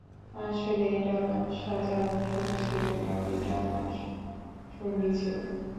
আসলে এটা আমার সাজার অংশ ছিল না, এটা আমার সঙ্গী ছিল।